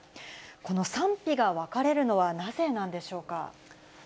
この賛否が分かれるのはなぜなんでしょうか。